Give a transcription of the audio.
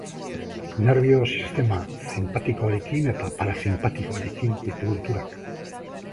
Nerbio-sistema sinpatikoarekin eta parasinpatikoarekin ditu loturak.